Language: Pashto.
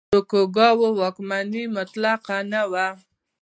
توکوګاوا واکمني مطلقه نه وه.